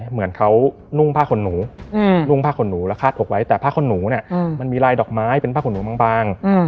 เหมือนเขานุ่งผ้าขนหนูนุ่งผ้าขนหนูแล้วคาดอกไว้แต่ผ้าขนหนูเนี่ยมันมีลายดอกไม้เป็นผ้าขนหนูบาง